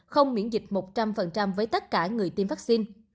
không miễn dịch một trăm linh với tất cả người tiêm vaccine